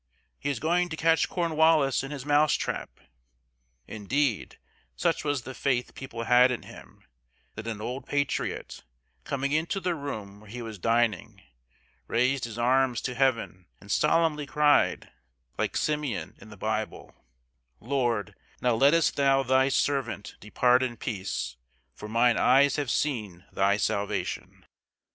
He is going to catch Cornwallis in his mouse trap!" Indeed, such was the faith people had in him that an old patriot, coming into the room where he was dining, raised his arms to heaven and solemnly cried, like Simeon in the Bible: "Lord, now lettest thou thy servant depart in peace, for mine eyes have seen thy salvation."